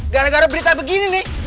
gara gara berita begini nih